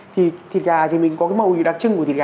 thì thịt gà thì mình có cái màu đặc trưng của thịt gà